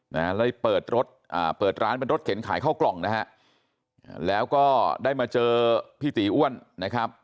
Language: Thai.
แล้วได้เปิดร้านเป็นรถเข็นขายเข้ากล่องนะครับแล้วก็ได้มาเจอพี่ตีอ้วนนะครับ